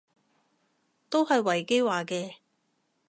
都係維基話嘅